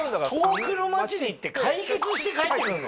遠くの町に行って解決して帰ってくるの？